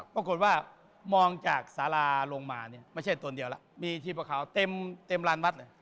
ปรากฏว่ามองจากสาราลงมาเนี่ยไม่ใช่ตนเดียวแล้วมีชีพประขาวเต็มลานวัดเลย